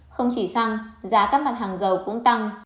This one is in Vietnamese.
không chỉ xăng giá các mặt hàng dầu cũng tăng